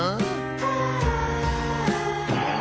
อ้าาาาา